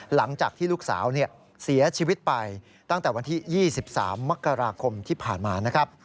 หลังจากที่ลูกสาวเสียชีวิตไปตั้งแต่วันที่๒๓มกราคมที่ผ่านมานะครับ